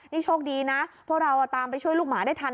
นี่โชคดีนะพวกเราตามไปช่วยลูกหมาได้ทัน